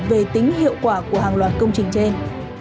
về tính hiệu quả của hàng loạt công trình trên